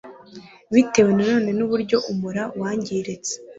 bitewe nanone n'uburyo umura wangiritse